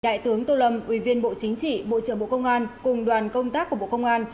đại tướng tô lâm ủy viên bộ chính trị bộ trưởng bộ công an cùng đoàn công tác của bộ công an